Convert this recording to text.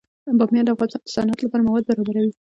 بامیان د افغانستان د صنعت لپاره مواد برابروي.